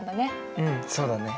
うんそうだね。